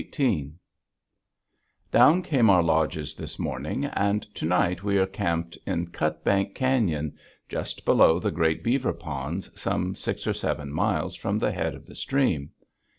_ Down came our lodges this morning, and to night we are camped in Cutbank Canyon, just below the great beaver ponds some six or seven miles from the head of the stream.